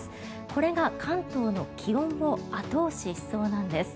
これが関東の気温を後押ししそうなんです。